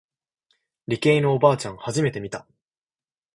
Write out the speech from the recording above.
理系のおばあちゃん初めて見た。